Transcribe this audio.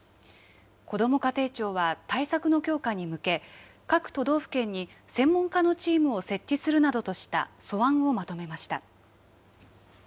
こども家庭庁は、対策の強化に向け、各都道府県に専門家のチームを設置するなどとした素案をまとめました。